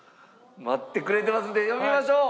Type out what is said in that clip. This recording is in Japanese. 待ってくれてますので呼びましょう。